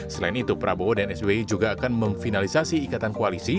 selain itu prabowo dan sbi juga akan memfinalisasi ikatan koalisi